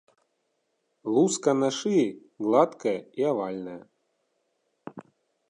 Луска на шыі гладкая і авальная.